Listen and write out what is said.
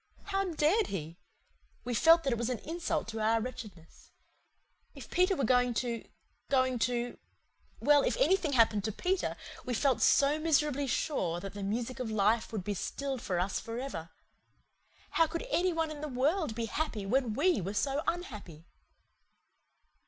How dared he? We felt that it was an insult to our wretchedness. If Peter were going to going to well, if anything happened to Peter, we felt so miserably sure that the music of life would be stilled for us for ever. How could any one in the world be happy when we were so unhappy?